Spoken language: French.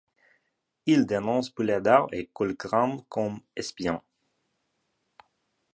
Il dénonce Bouldaldar et Colegram comme espions.